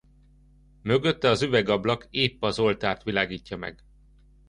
Mögötte az üvegablak épp az oltárt világítja meg.